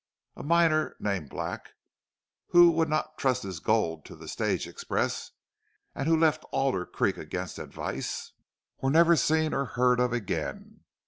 A miner named Black, who would not trust his gold to the stage express, and who left Adler Creek against advice, was never seen or heard of again.